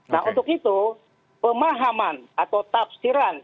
nah untuk itu pemahaman atau tafsiran